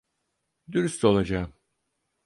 Dürüst olacağım.